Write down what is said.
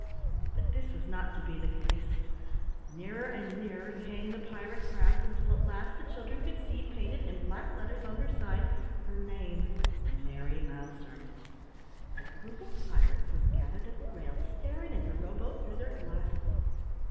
But this was not to be the case. Nearer and nearer came the pirate craft until at last the children could see, painted in black letters on her side, her name, The Merry Mouser. A group of pirates was gathered at the rail, staring at the rowboat through their glasses.